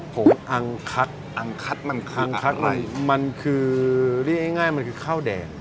ผงอังคักอังคัดมันคังคัดอะไรมันคือเรียกง่ายมันคือข้าวแดง